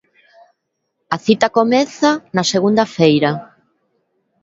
A cita comeza na segunda feira.